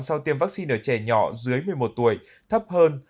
sau tiêm vaccine ở trẻ nhỏ dưới một mươi một tuổi thấp hơn